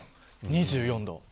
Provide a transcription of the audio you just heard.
２４度。